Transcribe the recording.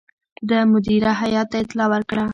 ده مدیره هیات ته اطلاع ورکړه.